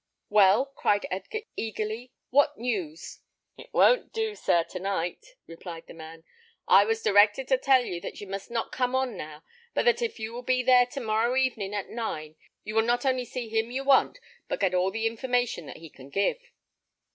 "Well," cried Edgar, eagerly, "what news?" "It won't do, sir, tonight," replied the man. "I was directed to tell you that you must not come on now, but that if you will be there to morrow evening at nine, you will not only see him you want, but get all the information that he can give."